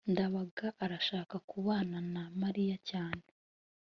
ndabaga arashaka kubana na mariya cyane